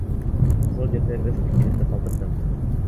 Ошол жерде өз пикиримди калтырдым.